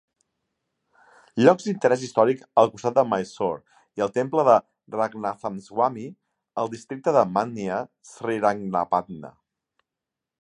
Llocs d'interès històric al costat de Mysore i el temple de Ranganathaswamy, al districte de Mandya, Srirangapatna.